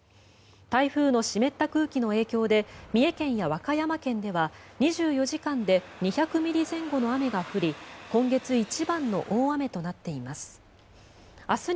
台風の湿った空気の影響で三重県や和歌山県では２４時間で２００ミリ前後の雨が降り今月一番の大雨となっています。